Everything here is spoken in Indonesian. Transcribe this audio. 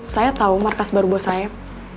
saya tau markas baru bos saeb